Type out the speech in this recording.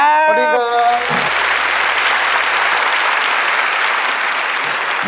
สวัสดีครับ